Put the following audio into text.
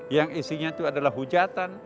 yang isinya itu adalah hujatan